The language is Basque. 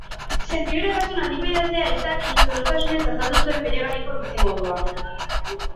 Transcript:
Sentiberatasun handiko idazlea izaki, zorroztasunez azaldu zuen bere garaiko bizimodua.